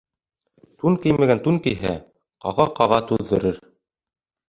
Тун кеймәгән тун кейһә, ҡаға-ҡаға туҙҙырыр.